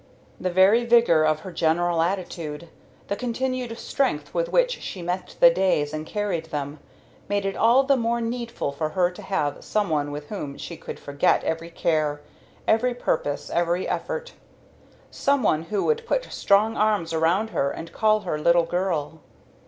The very vigor of her general attitude, the continued strength with which she met the days and carried them, made it all the more needful for her to have some one with whom she could forget every care, every purpose, every effort; some one who would put strong arms around her and call her "Little Girl."